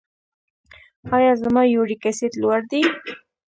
ایا زما یوریک اسید لوړ دی؟